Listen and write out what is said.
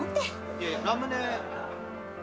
いやいやラムネ。